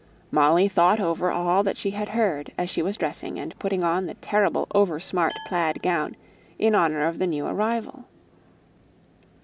Molly thought over all that she had heard, as she was dressing and putting on the terrible, over smart plaid gown in honour of the new arrival.